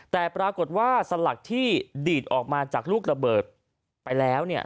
แต่ปรากฏว่าสลักที่ดีดออกมาจากลูกระเบิดไปแล้วเนี่ย